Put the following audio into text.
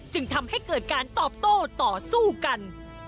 จึงทำให้เกิดการตอบโต้ต่อสู้กัน